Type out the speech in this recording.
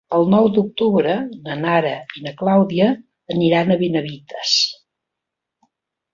El nou d'octubre na Nara i na Clàudia aniran a Benavites.